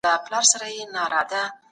په هر کار کې الله ته توکل وکړئ.